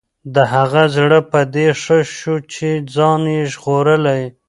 د هغه زړه په دې ښه شو چې ځان یې ژغورلی.